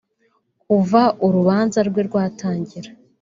Kuva urubanza rwe rwatangira